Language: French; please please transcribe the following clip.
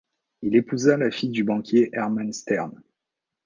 Il épousa la fille du banquier Hermann Stern.